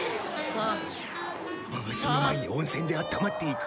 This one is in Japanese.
ああその前に温泉であったまっていくか。